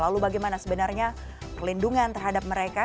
lalu bagaimana sebenarnya perlindungan terhadap mereka